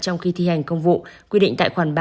trong khi thi hành công vụ quyết định tại khoảng ba